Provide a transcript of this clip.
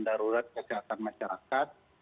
dan darurat kesehatan masyarakat